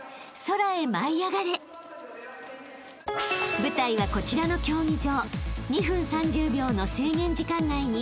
［舞台はこちらの競技場］